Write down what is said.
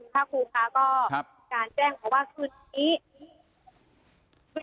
ภักคุลค่ะก็การแจ้งมาว่าทุกที